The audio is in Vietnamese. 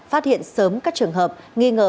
phát hiện sớm các trường hợp nghi ngờ